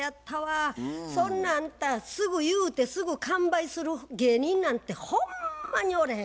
そんなあんたすぐ言うてすぐ完売する芸人なんてほんまにおれへん。